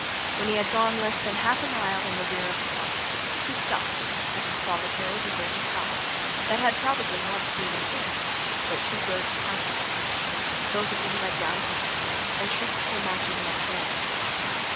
When he had gone less than half a mile in the rear of the column he stopped at a solitary, deserted house that had probably once been an inn, where two roads parted. Both of them led downhill and troops were marching along both.